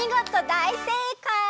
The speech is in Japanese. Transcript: だいせいかい！